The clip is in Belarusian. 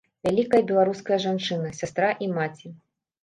Вялікая беларуская жанчына, сястра і маці!